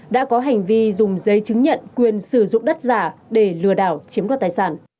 đã có hành vi dùng giấy chứng nhận quyền sử dụng đất giả để lừa đảo chiếm đoạt tài sản